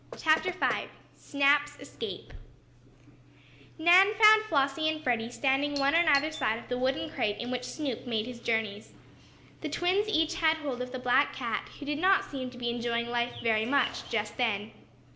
CHAPTER V SNAP'S ESCAPE Nan found Flossie and Freddie, standing one on either side of the wooden crate in which Snoop made his journeys. The twins each had hold of the black cat, who did not seem to be enjoying life very much just then.